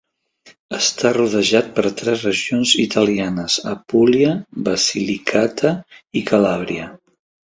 Està rodejat per tres regions italianes, Apulia, Basilicata i Calabria.